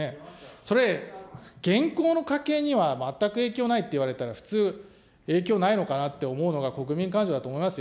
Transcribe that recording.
それ、現行の家計には全く影響ないっていわれたら、普通、影響ないのかなって思うのが国民感情だと思いますよ。